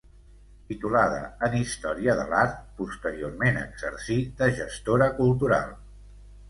Titulada en Història de l'Art, posteriorment exercí de gestora cultural.